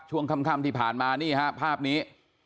ช่วงค่ำที่ผ่านมานี่ฮะภาพนี้